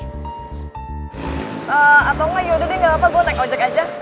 eee apa enggak yaudah deh gak apa apa